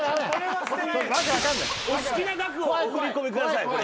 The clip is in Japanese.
お好きな額をお振り込みください。